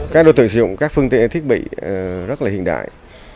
các đối tượng sử dụng các phương tiện thiết bị rất là hiện đại